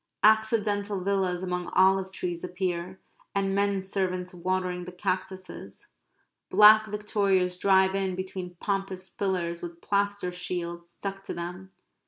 Accidental villas among olive trees appear; and men servants watering the cactuses. Black victorias drive in between pompous pillars with plaster shields stuck to them.